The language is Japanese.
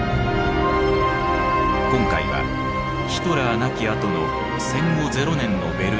今回はヒトラー亡き後の戦後ゼロ年のベルリン。